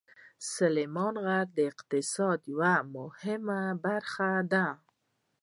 سلیمان غر د اقتصاد یوه مهمه برخه ده.